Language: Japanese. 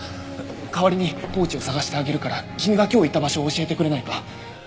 代わりにポーチを捜してあげるから君が今日行った場所を教えてくれないか？